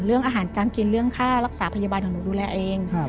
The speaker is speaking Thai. เรื่องอาหารการกินเรื่องค่ารักษาพยาบาลของหนูดูแลเอง